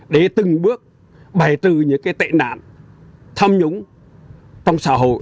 để từng bước bày trừ những cái tệ nạn tham nhũng trong xã hội